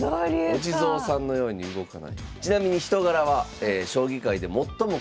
お地蔵さんのように動かない。